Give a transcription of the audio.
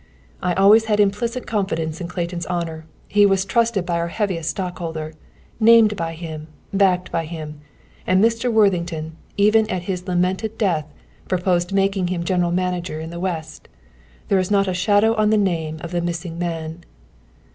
"I always had implicit confidence in Clayton's honor; he was trusted by our heaviest stockholder, named by him, backed by him; and Mr. Worthington, even at his lamented death, proposed making him general manager in the West. There's not a shadow on the name of the missing man."